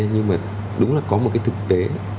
nhưng mà đúng là có một cái thực tế